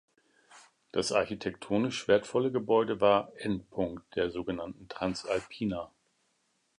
Das architektonisch wertvolle Gebäude war Endpunkt der sogenannten "Transalpina".